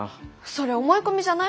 それ思い込みじゃない？